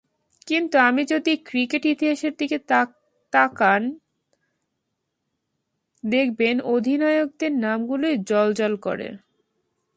কিন্তু আপনি যদি ক্রিকেট ইতিহাসের দিকে তাকান, দেখবেন অধিনায়কদের নামগুলোই জ্বলজ্বল করে।